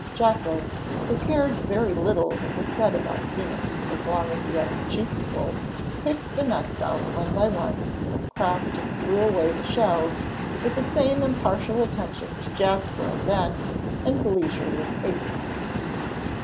Jocko, who cared very little what was said about peanuts, as long as he had his cheeks full, picked the nuts out one by one, cracked and threw away the shells, with the same impartial attention to Jasper and Ben, and leisurely ate them.